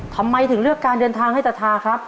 ทำไมถึงเลือกการเดินทางให้ตาทาครับ